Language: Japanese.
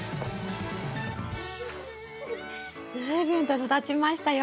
随分と育ちましたよ。